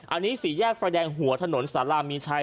อันนี้สี่แยกไฟแดงหัวถนนสารามีชัย